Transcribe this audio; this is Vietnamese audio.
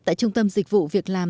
tại trung tâm dịch vụ việc làm